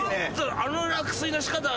あの落水の仕方は。